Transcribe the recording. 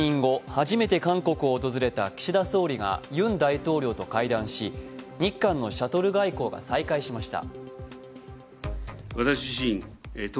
初めて韓国を訪れた岸田総理がユン大統領と会談し日韓のシャトル外交が再開しました。